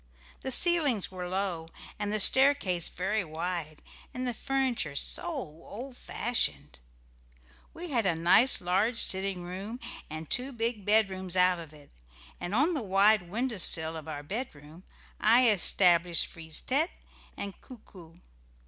The ceilings were low, and the staircase very wide, and the furniture so old fashioned. We had a nice large sitting room, and two bed rooms out of it, and on the wide window sill of our bedroom I established Frise tête and Coo coo.